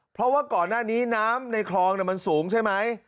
เพราะว่าก่อนหน้านี้น้ำในคลองมันสูงใช่ไหม